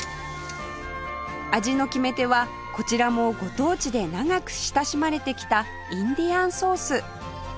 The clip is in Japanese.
味の決め手はこちらもご当地で長く親しまれてきたインディアンソース